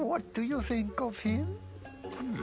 うん。